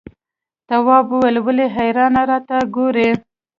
تواب وويل: ولې حیرانې راته ګوري؟